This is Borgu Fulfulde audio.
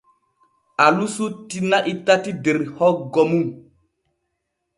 Alu sutti na'i tati der hoggo mum.